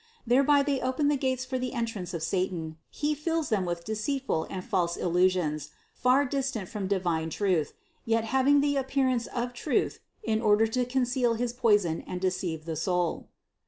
Thereby they open the gates for the entrance of satan, he fills them with deceit ful and false illusions, far distant from divine truth, yet having the appearance of truth in order to conceal his poison and deceive the soul.